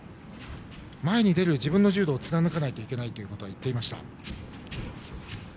前に出る自分の柔道を貫かないといけないと言っていました。